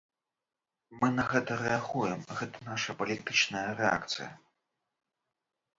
Мы на гэта рэагуем, гэта наша палітычная рэакцыя.